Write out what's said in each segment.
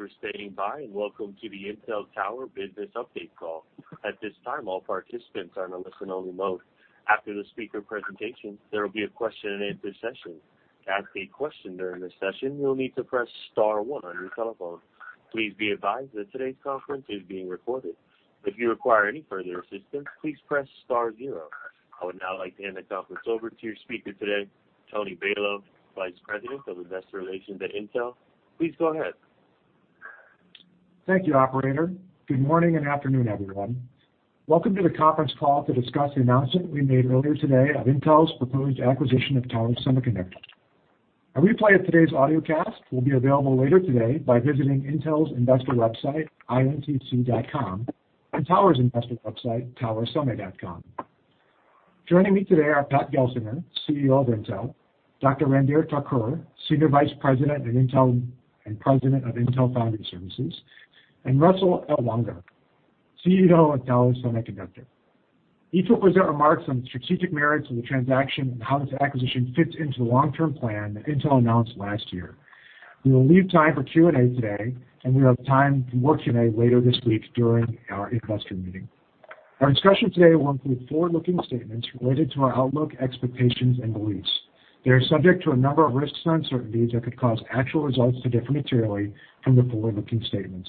Thank you for staying by and welcome to the Intel Tower Business Update Call. At this time, all participants are in a listen-only mode. After the speaker presentation, there will be a question-and-answer session. To ask a question during this session, you'll need to press star one on your telephone. Please be advised that today's conference is being recorded. If you require any further assistance, please press star zero. I would now like to hand the conference over to your speaker today, Tony Balow, Vice President of Investor Relations at Intel. Please go ahead. Thank you, Operator. Good morning and afternoon, everyone. Welcome to the conference call to discuss the announcement we made earlier today of Intel's proposed acquisition of Tower Semiconductor. A replay of today's audio cast will be available later today by visiting Intel's investor website, INTC.com, and Tower's investor website, towersummit.com. Joining me today are Pat Gelsinger, CEO of Intel; Dr. Randhir Thakur, Senior Vice President and President of Intel Foundry Services; and Russell Ellwanger, CEO of Tower Semiconductor. Each will present remarks on the strategic merits of the transaction and how this acquisition fits into the long-term plan that Intel announced last year. We will leave time for Q&A today, and we have time to work Q&A later this week during our investor meeting. Our discussion today will include forward-looking statements related to our outlook, expectations, and beliefs. They are subject to a number of risks and uncertainties that could cause actual results to differ materially from the forward-looking statements.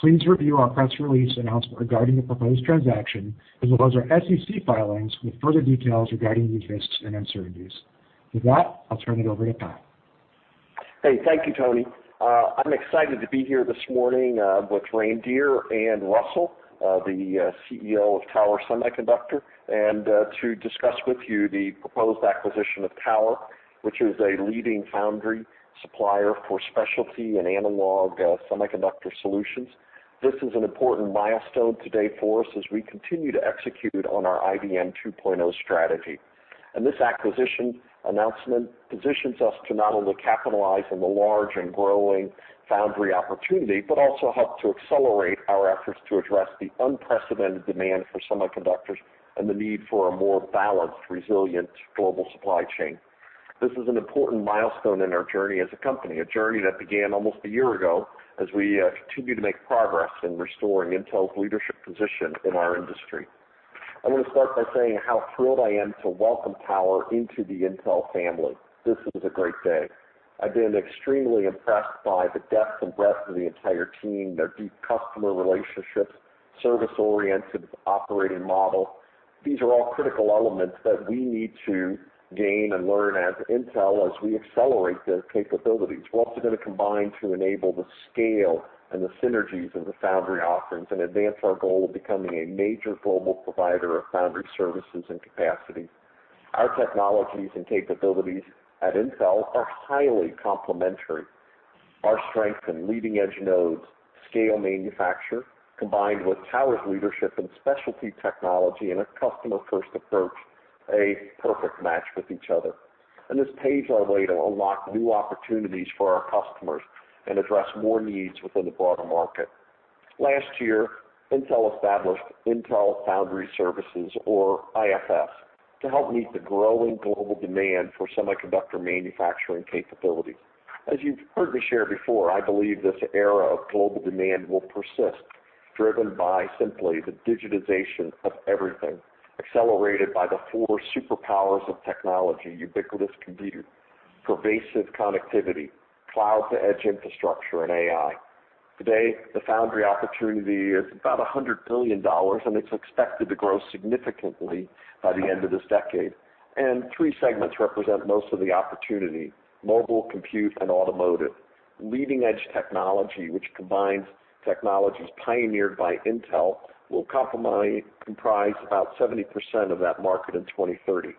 Please review our press release announcement regarding the proposed transaction as well as our SEC filings with further details regarding these risks and uncertainties. With that, I'll turn it over to Pat. Hey, thank you, Tony. I'm excited to be here this morning with Randhir and Russell, the CEO of Tower Semiconductor, and to discuss with you the proposed acquisition of Tower, which is a leading foundry supplier for specialty and analog semiconductor solutions. This is an important milestone today for us as we continue to execute on our IDM 2.0 strategy. This acquisition announcement positions us to not only capitalize on the large and growing foundry opportunity but also help to accelerate our efforts to address the unprecedented demand for semiconductors and the need for a more balanced, resilient global supply chain. This is an important milestone in our journey as a company, a journey that began almost a year ago as we continue to make progress in restoring Intel's leadership position in our industry. I want to start by saying how thrilled I am to welcome Tower into the Intel family. This is a great day. I've been extremely impressed by the depth and breadth of the entire team, their deep customer relationships, service-oriented operating model. These are all critical elements that we need to gain and learn as Intel, as we accelerate their capabilities. We're also going to combine to enable the scale and the synergies of the foundry offerings and advance our goal of becoming a major global provider of foundry services and capacity. Our technologies and capabilities at Intel are highly complementary. Our strength in leading-edge nodes, scale manufacture, combined with Tower's leadership in specialty technology and a customer-first approach, is a perfect match with each other. This paves our way to unlock new opportunities for our customers and address more needs within the broader market. Last year, Intel established Intel Foundry Services, or IFS, to help meet the growing global demand for semiconductor manufacturing capabilities. As you've heard me share before, I believe this era of global demand will persist, driven by simply the digitization of everything, accelerated by the four superpowers of technology: ubiquitous computers, pervasive connectivity, cloud-to-edge infrastructure, and AI. Today, the foundry opportunity is about $100 billion, and it's expected to grow significantly by the end of this decade. Three segments represent most of the opportunity: mobile, compute, and automotive. Leading-edge technology, which combines technologies pioneered by Intel, will comprise about 70% of that market in 2030.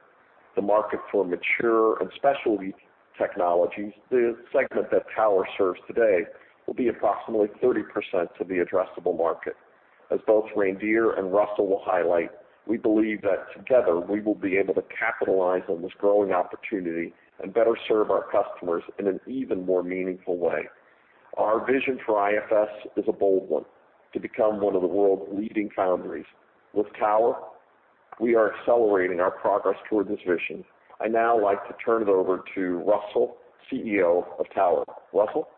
The market for mature and specialty technologies, the segment that Tower serves today, will be approximately 30% of the addressable market. As both Randhir and Russell will highlight, we believe that together we will be able to capitalize on this growing opportunity and better serve our customers in an even more meaningful way. Our vision for IFS is a bold one: to become one of the world's leading foundries. With Tower, we are accelerating our progress toward this vision. I now like to turn it over to Russell, CEO of Tower. Russell?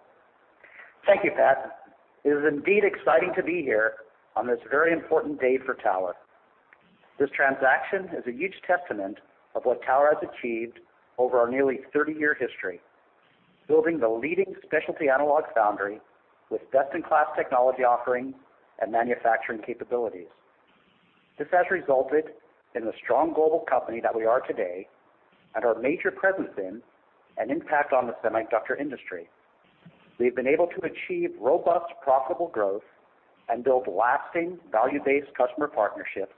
Thank you, Pat. It is indeed exciting to be here on this very important day for Tower. This transaction is a huge testament of what Tower has achieved over our nearly 30-year history, building the leading specialty analog foundry with best-in-class technology offerings and manufacturing capabilities. This has resulted in the strong global company that we are today and our major presence in and impact on the semiconductor industry. We've been able to achieve robust, profitable growth and build lasting, value-based customer partnerships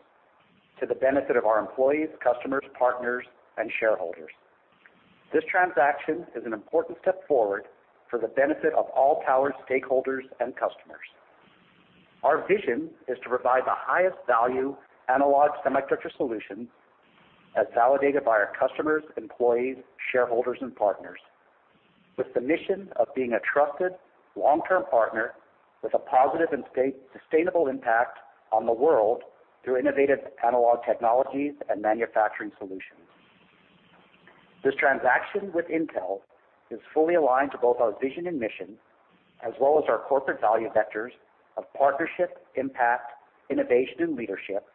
to the benefit of our employees, customers, partners, and shareholders. This transaction is an important step forward for the benefit of all Tower stakeholders and customers. Our vision is to provide the highest-value analog semiconductor solutions, as validated by our customers, employees, shareholders, and partners, with the mission of being a trusted, long-term partner with a positive and sustainable impact on the world through innovative analog technologies and manufacturing solutions. This transaction with Intel is fully aligned to both our vision and mission, as well as our corporate value vectors of partnership, impact, innovation, and leadership,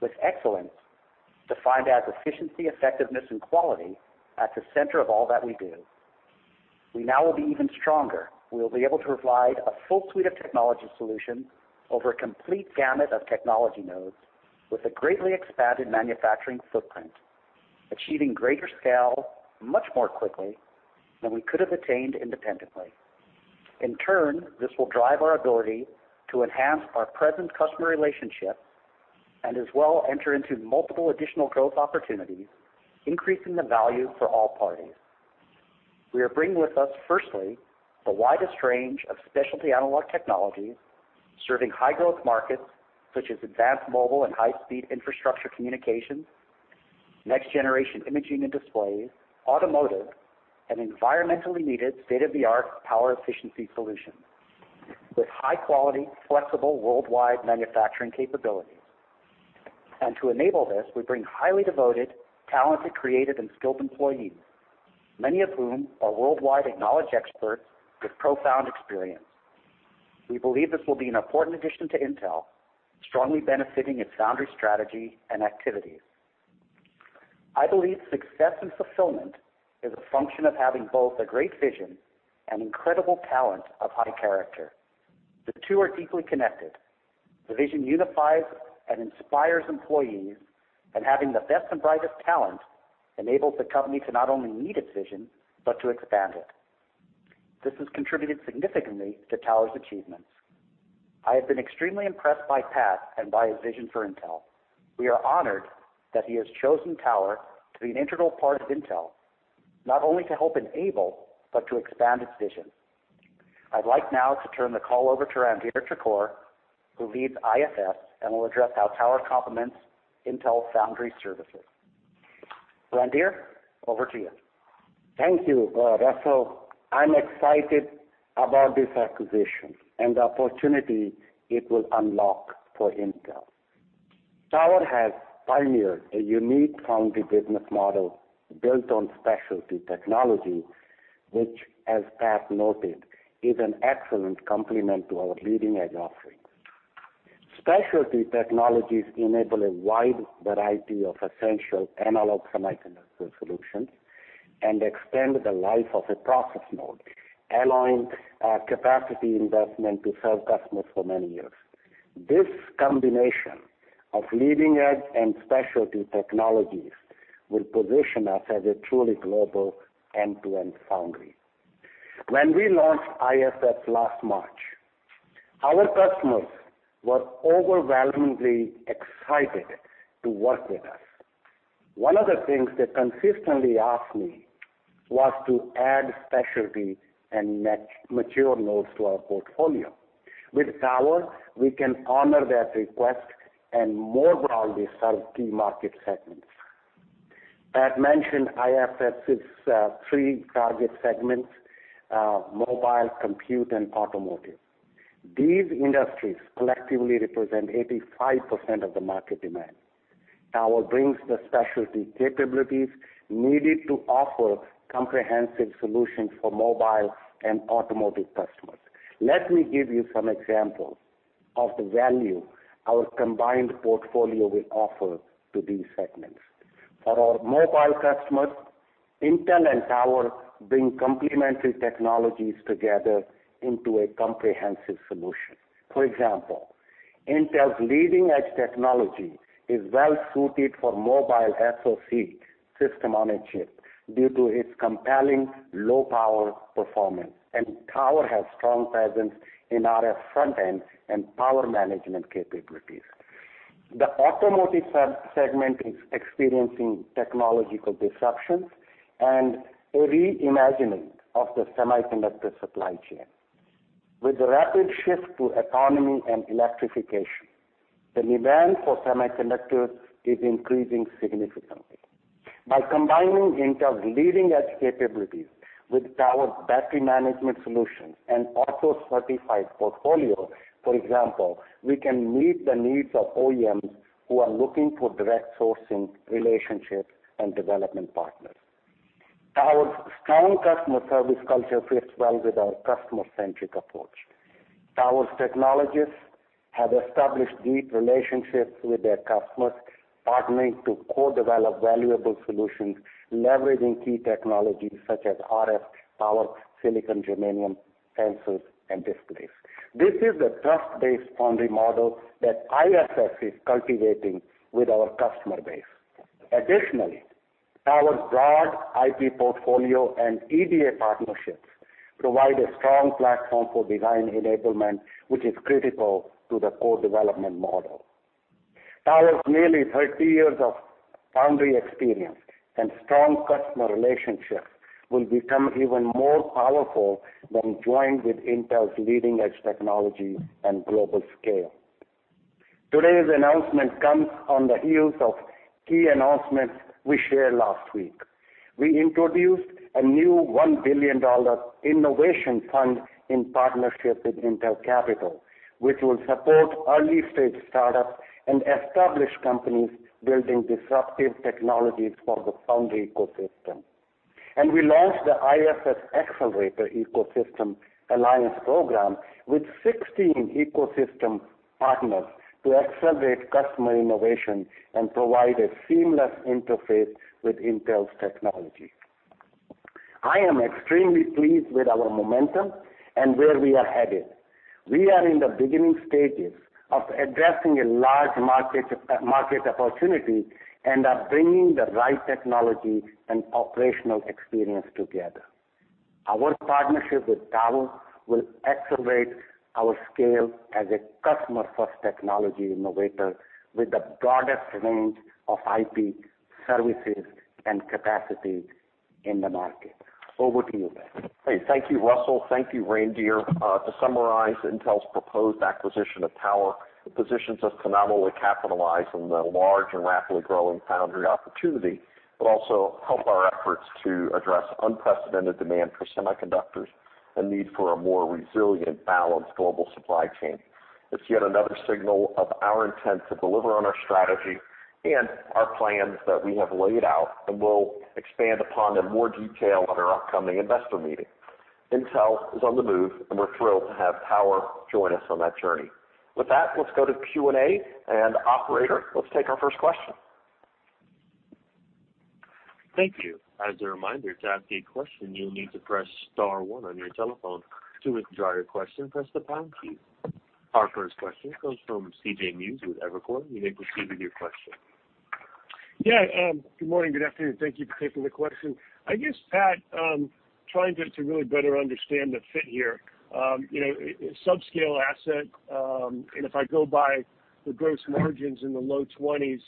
with excellence defined as efficiency, effectiveness, and quality at the center of all that we do. We now will be even stronger. We will be able to provide a full suite of technology solutions over a complete gamut of technology nodes with a greatly expanded manufacturing footprint, achieving greater scale much more quickly than we could have attained independently. In turn, this will drive our ability to enhance our present customer relationship and as well enter into multiple additional growth opportunities, increasing the value for all parties. We are bringing with us, firstly, the widest range of specialty analog technologies serving high-growth markets such as advanced mobile and high-speed infrastructure communications, next-generation imaging and displays, automotive, and environmentally needed state-of-the-art power efficiency solutions with high-quality, flexible, worldwide manufacturing capabilities. To enable this, we bring highly devoted, talented, creative, and skilled employees, many of whom are worldwide acknowledged experts with profound experience. We believe this will be an important addition to Intel, strongly benefiting its foundry strategy and activities. I believe success and fulfillment is a function of having both a great vision and incredible talent of high character. The two are deeply connected. The vision unifies and inspires employees, and having the best and brightest talent enables the company to not only meet its vision but to expand it. This has contributed significantly to Tower's achievements. I have been extremely impressed by Pat and by his vision for Intel. We are honored that he has chosen Tower to be an integral part of Intel, not only to help enable but to expand its vision. I'd like now to turn the call over to Randhir Thakur, who leads IFS and will address how Tower complements Intel Foundry Services. Randhir, over to you. Thank you, Russell. I'm excited about this acquisition and the opportunity it will unlock for Intel. Tower has pioneered a unique foundry business model built on specialty technology, which, as Pat noted, is an excellent complement to our leading-edge offerings. Specialty technologies enable a wide variety of essential analog semiconductor solutions and extend the life of a process node, allowing capacity investment to serve customers for many years. This combination of leading-edge and specialty technologies will position us as a truly global end-to-end foundry. When we launched IFS last March, our customers were overwhelmingly excited to work with us. One of the things they consistently asked me was to add specialty and mature nodes to our portfolio. With Tower, we can honor that request and more broadly serve key market segments. Pat mentioned IFS's three target segments: mobile, compute, and automotive. These industries collectively represent 85% of the market demand. Tower brings the specialty capabilities needed to offer comprehensive solutions for mobile and automotive customers. Let me give you some examples of the value our combined portfolio will offer to these segments. For our mobile customers, Intel and Tower bring complementary technologies together into a comprehensive solution. For example, Intel's leading-edge technology is well-suited for mobile SoC system on a chip due to its compelling low-power performance, and Tower has a strong presence in our front-end and power management capabilities. The automotive segment is experiencing technological disruptions and a reimagining of the semiconductor supply chain. With the rapid shift to autonomy and electrification, the demand for semiconductors is increasing significantly. By combining Intel's leading-edge capabilities with Tower's battery management solutions and auto-certified portfolio, for example, we can meet the needs of OEMs who are looking for direct sourcing relationships and development partners. Tower's strong customer service culture fits well with our customer-centric approach. Tower's technologists have established deep relationships with their customers, partnering to co-develop valuable solutions leveraging key technologies such as RF power, silicon germanium, sensors, and displays. This is the trust-based foundry model that IFS is cultivating with our customer base. Additionally, Tower's broad IP portfolio and EDA partnerships provide a strong platform for design enablement, which is critical to the core development model. Tower's nearly 30 years of foundry experience and strong customer relationships will become even more powerful when joined with Intel's leading-edge technology and global scale. Today's announcement comes on the heels of key announcements we shared last week. We introduced a new $1 billion innovation fund in partnership with Intel Capital, which will support early-stage startups and established companies building disruptive technologies for the foundry ecosystem. We launched the IFS Accelerator Ecosystem Alliance program with 16 ecosystem partners to accelerate customer innovation and provide a seamless interface with Intel's technology. I am extremely pleased with our momentum and where we are headed. We are in the beginning stages of addressing a large market opportunity and are bringing the right technology and operational experience together. Our partnership with Tower will accelerate our scale as a customer-first technology innovator with the broadest range of IP services and capacity in the market. Over to you, Pat. Hey, thank you, Russell. Thank you, Randhir. To summarize, Intel's proposed acquisition of Tower positions us to not only capitalize on the large and rapidly growing foundry opportunity but also help our efforts to address unprecedented demand for semiconductors and need for a more resilient, balanced global supply chain. It is yet another signal of our intent to deliver on our strategy and our plans that we have laid out and will expand upon in more detail at our upcoming investor meeting. Intel is on the move, and we are thrilled to have Tower join us on that journey. With that, let's go to Q&A. Operator, let's take our first question. Thank you. As a reminder, to ask a question, you'll need to press star one on your telephone. To withdraw your question, press the pound key. Our first question comes from CJ Muse with Evercore. You may proceed with your question. Yeah. Good morning. Good afternoon. Thank you for taking the question. I guess, Pat, trying to really better understand the fit here. Subscale asset, and if I go by the gross margins in the low 20s,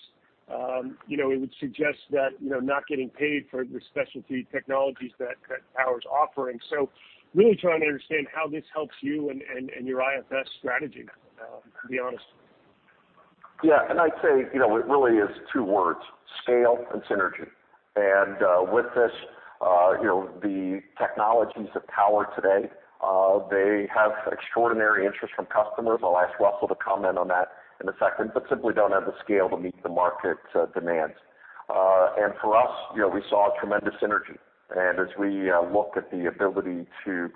it would suggest that not getting paid for the specialty technologies that Tower's offering. So really trying to understand how this helps you and your IFS strategy, to be honest. Yeah. I'd say it really is two words: scale and synergy. With this, the technologies of Tower today, they have extraordinary interest from customers. I'll ask Russell to comment on that in a second, but simply do not have the scale to meet the market demands. For us, we saw tremendous synergy. As we look at the ability to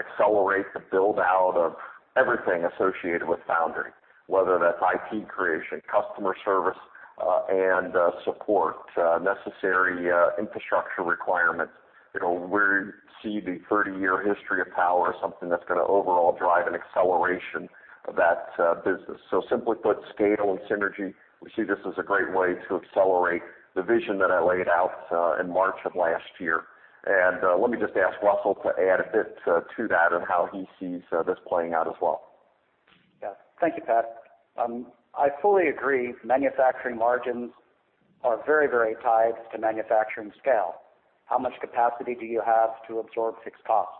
accelerate the build-out of everything associated with foundry, whether that's IP creation, customer service and support, necessary infrastructure requirements, we see the 30-year history of Tower as something that's going to overall drive an acceleration of that business. Simply put, scale and synergy, we see this as a great way to accelerate the vision that I laid out in March of last year. Let me just ask Russell to add a bit to that and how he sees this playing out as well. Yeah. Thank you, Pat. I fully agree manufacturing margins are very, very tied to manufacturing scale. How much capacity do you have to absorb fixed cost?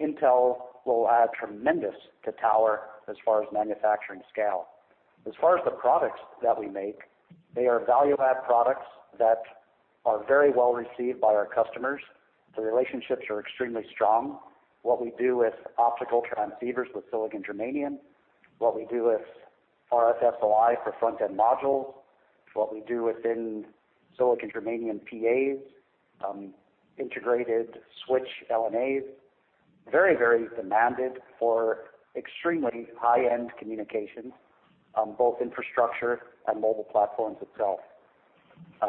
Intel will add tremendous to Tower as far as manufacturing scale. As far as the products that we make, they are value-add products that are very well received by our customers. The relationships are extremely strong. What we do with optical transceivers with silicon germanium, what we do with RF-SOI for front-end modules, what we do within silicon germanium PAs, integrated switch LNAs, very, very demanded for extremely high-end communications, both infrastructure and mobile platforms itself.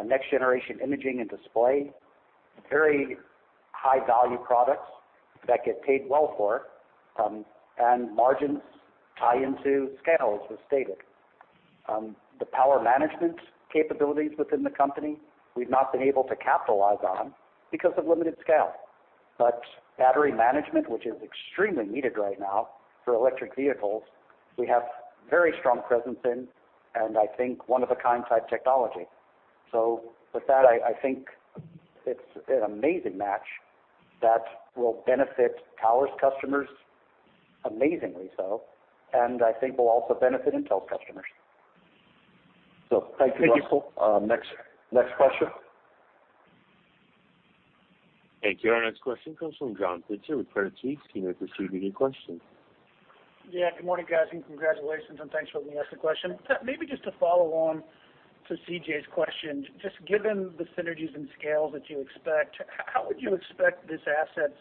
Next-generation imaging and display, very high-value products that get paid well for, and margins tie into scale, as was stated. The power management capabilities within the company, we've not been able to capitalize on because of limited scale. Battery management, which is extremely needed right now for electric vehicles, we have very strong presence in, and I think one-of-a-kind type technology. With that, I think it's an amazing match that will benefit Tower's customers amazingly so, and I think will also benefit Intel's customers. Thank you, Russell. Thank you. Next question. Thank you. Our next question comes from John Pitzer with Credit Suisse. You may proceed with your question. Yeah. Good morning, guys, and congratulations, and thanks for letting me ask the question. Pat, maybe just to follow on to CJ's question, just given the synergies and scales that you expect, how would you expect this asset's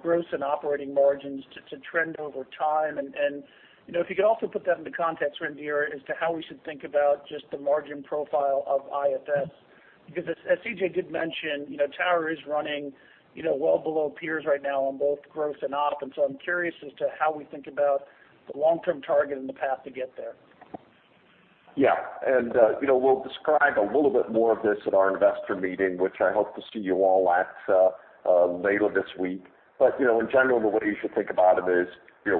gross and operating margins to trend over time? If you could also put that into context, Randhir, as to how we should think about just the margin profile of IFS, because as CJ did mention, Tower is running well below peers right now on both gross and op. I am curious as to how we think about the long-term target and the path to get there. Yeah. We will describe a little bit more of this at our investor meeting, which I hope to see you all at later this week. In general, the way you should think about it is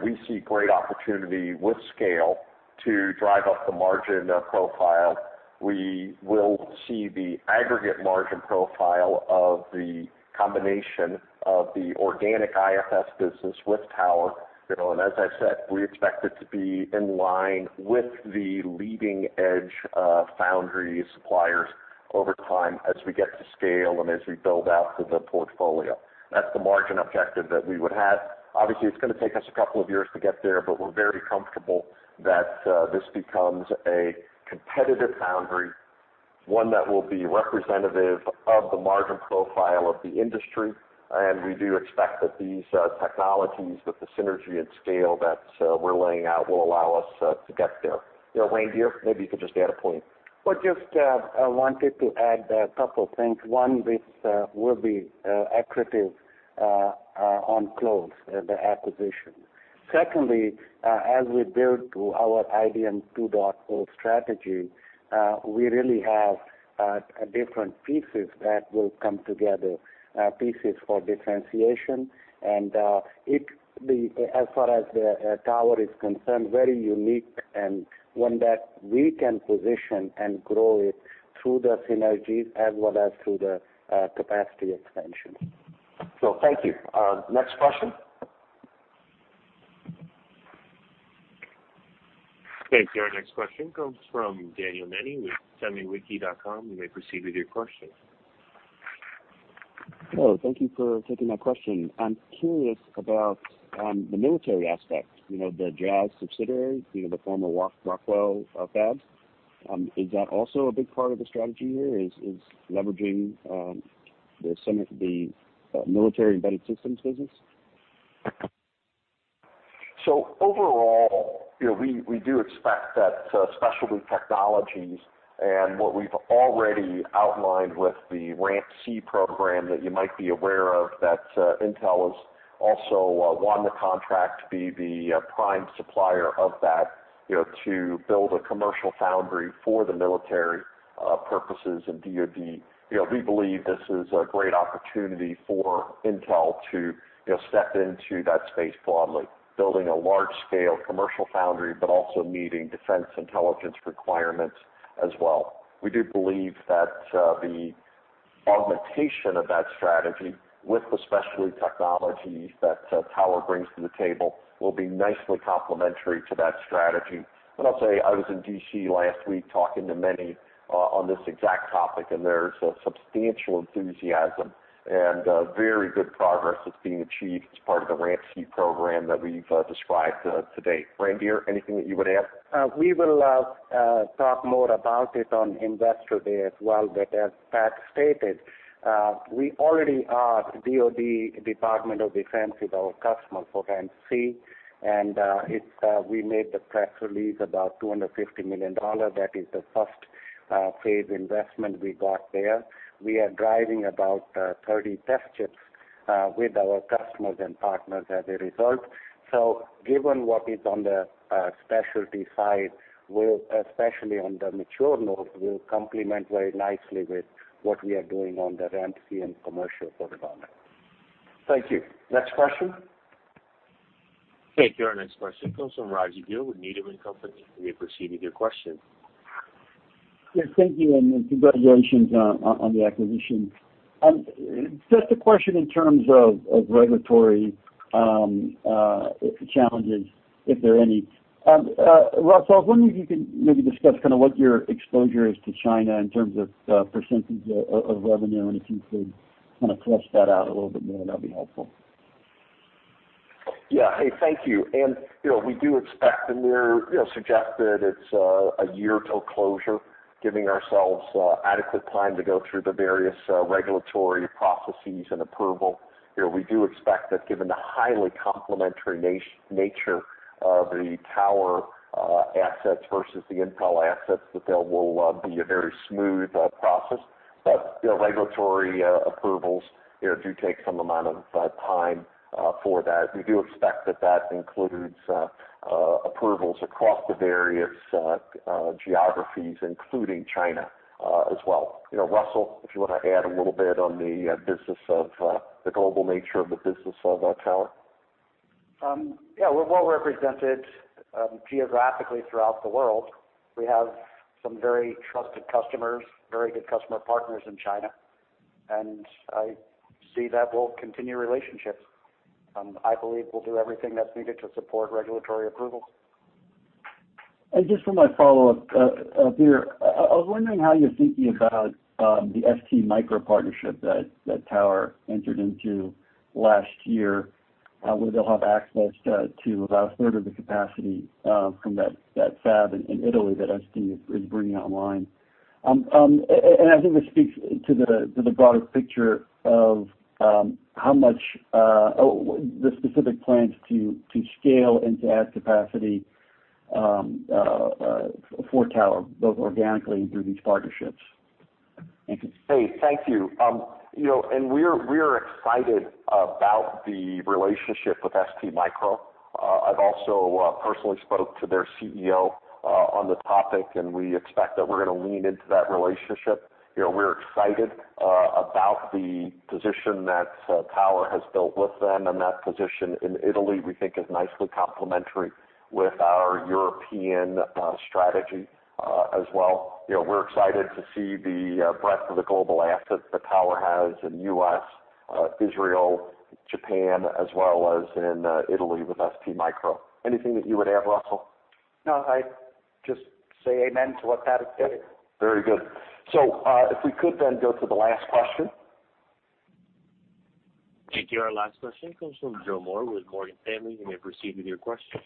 we see great opportunity with scale to drive up the margin profile. We will see the aggregate margin profile of the combination of the organic IFS business with Tower. As I said, we expect it to be in line with the leading-edge foundry suppliers over time as we get to scale and as we build out the portfolio. That is the margin objective that we would have. Obviously, it is going to take us a couple of years to get there, but we are very comfortable that this becomes a competitive foundry, one that will be representative of the margin profile of the industry. We do expect that these technologies, with the synergy and scale that we are laying out, will allow us to get there. Ranveer, maybe you could just add a point. Just wanted to add a couple of things. One, this will be accretive on close and the acquisition. Secondly, as we build our IDM 2.0 strategy, we really have different pieces that will come together, pieces for differentiation. As far as Tower is concerned, very unique. One that we can position and grow through the synergies as well as through the capacity expansion. Thank you. Next question. Thank you. Our next question comes from Daniel Nenni with SemiWiki.com. You may proceed with your question. Hello. Thank you for taking my question. I'm curious about the military aspect, the Jazz subsidiary, the former Rockwell fab. Is that also a big part of the strategy here, is leveraging the military embedded systems business? Overall, we do expect that specialty technologies and what we've already outlined with the RAMP-C program that you might be aware of, that Intel has also won the contract to be the prime supplier of that to build a commercial foundry for the military purposes and DOD. We believe this is a great opportunity for Intel to step into that space broadly, building a large-scale commercial foundry, but also meeting defense intelligence requirements as well. We do believe that the augmentation of that strategy with the specialty technologies that Tower brings to the table will be nicely complementary to that strategy. I'll say I was in Washington, D.C. last week talking to many on this exact topic, and there's substantial enthusiasm and very good progress that's being achieved as part of the RAMP-C program that we've described today. Randhir, anything that you would add? We will talk more about it on investor day as well. As Pat stated, we already are DOD Department of Defense is our customer for RAMP-C, and we made the press release about $250 million. That is the first phase investment we got there. We are driving about 30 test chips with our customers and partners as a result. Given what is on the specialty side, especially on the mature nodes, we will complement very nicely with what we are doing on the RAMP-C and commercial protocol. Thank you. Next question. Thank you. Our next question comes from Raji Gill with Needham & Company. You may proceed with your question. Yes. Thank you, and congratulations on the acquisition. Just a question in terms of regulatory challenges, if there are any. Russell, I was wondering if you could maybe discuss kind of what your exposure is to China in terms of percentage of revenue, and if you could kind of flesh that out a little bit more, that would be helpful. Yeah. Hey, thank you. We do expect, and we suggested it's a year till closure, giving ourselves adequate time to go through the various regulatory processes and approval. We do expect that given the highly complementary nature of the Tower assets versus the Intel assets, that there will be a very smooth process. Regulatory approvals do take some amount of time for that. We do expect that that includes approvals across the various geographies, including China as well. Russell, if you want to add a little bit on the business of the global nature of the business of Tower. Yeah. We are well represented geographically throughout the world. We have some very trusted customers, very good customer partners in China. I see that we will continue relationships. I believe we will do everything that is needed to support regulatory approvals. Just for my follow-up, Peter, I was wondering how you're thinking about the STMicro partnership that Tower entered into last year, where they'll have access to about a third of the capacity from that fab in Italy that ST is bringing online. I think this speaks to the broader picture of how much the specific plans to scale and to add capacity for Tower, both organically and through these partnerships. Hey, thank you. We are excited about the relationship with STMicro. I have also personally spoken to their CEO on the topic, and we expect that we are going to lean into that relationship. We are excited about the position that Tower has built with them, and that position in Italy we think is nicely complementary with our European strategy as well. We are excited to see the breadth of the global assets that Tower has in the U.S., Israel, Japan, as well as in Italy with STMicro. Anything that you would add, Russell? No. I just say amen to what Pat has stated. Very good. If we could then go to the last question. Thank you. Our last question comes from Joe Moore with Morgan Stanley. You may proceed with your question.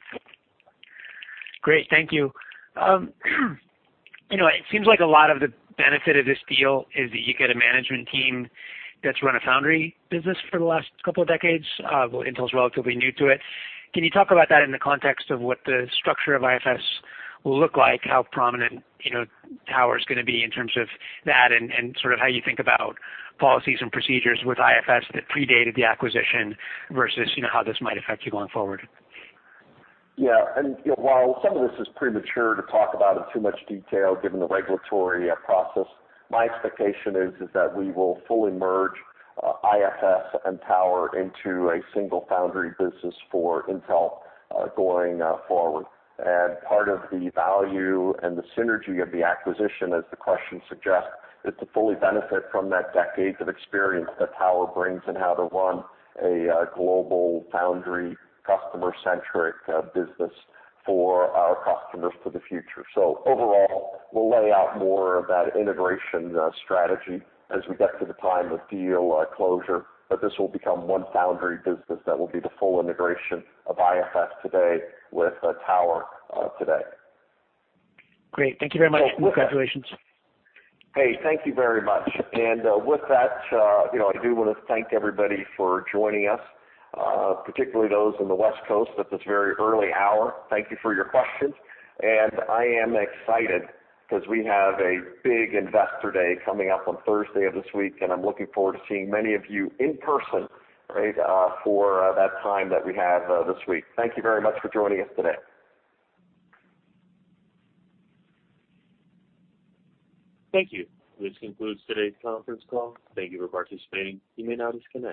Great. Thank you. It seems like a lot of the benefit of this deal is that you get a management team that's run a foundry business for the last couple of decades. Intel's relatively new to it. Can you talk about that in the context of what the structure of IFS will look like, how prominent Tower's going to be in terms of that, and sort of how you think about policies and procedures with IFS that predated the acquisition versus how this might affect you going forward? Yeah. While some of this is premature to talk about in too much detail given the regulatory process, my expectation is that we will fully merge IFS and Tower into a single foundry business for Intel going forward. Part of the value and the synergy of the acquisition, as the question suggests, is to fully benefit from that decade of experience that Tower brings and how to run a global foundry customer-centric business for our customers for the future. Overall, we will lay out more of that integration strategy as we get to the time of deal closure. This will become one foundry business that will be the full integration of IFS today with Tower today. Great. Thank you very much. Thank you. Congratulations. Thank you very much. With that, I do want to thank everybody for joining us, particularly those on the West Coast at this very early hour. Thank you for your questions. I am excited because we have a big investor day coming up on Thursday of this week, and I am looking forward to seeing many of you in person for that time that we have this week. Thank you very much for joining us today. Thank you. This concludes today's conference call. Thank you for participating. You may now disconnect.